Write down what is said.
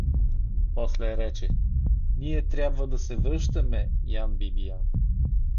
После рече: — Ние трябва да се връщаме, Ян Бибиян.